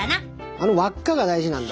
あの輪っかが大事なんだ。